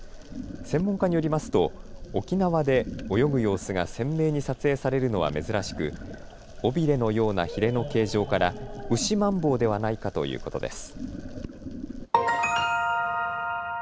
専門家によりますと沖縄で泳ぐ様子が鮮明に撮影されるのは珍しく尾びれのようなひれの形状からウシマンボウではないかということです。